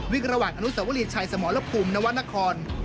วิ่งระหว่างอนุสวรีชัยสมรภูมินวรรณคร